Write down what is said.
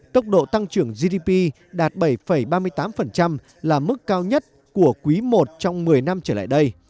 tốc độ tăng trưởng gdp đạt bảy ba mươi tám là mức cao nhất của quý i trong một mươi năm trở lại đây